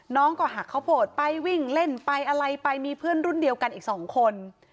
น้องก็หักข้าวโพดไปวิ่งเล่นไปอะไรไปมีเพื่อนรุ่นเดียวกันอีกสองคน